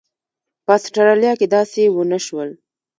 په اسټرالیا کې داسې ونه شول.